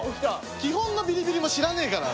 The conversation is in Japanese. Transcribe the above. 基本のビリビリも知らねえから。